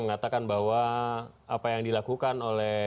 mengatakan bahwa apa yang dilakukan oleh